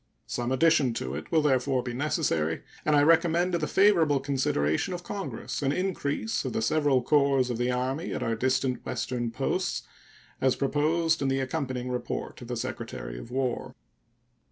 Some addition to it will therefore be necessary, and I recommend to the favorable consideration of Congress an increase of the several corps of the Army at our distant Western posts, as proposed in the accompanying report of the Secretary of War.